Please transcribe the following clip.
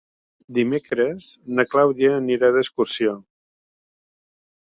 Dimecres na Clàudia anirà d'excursió.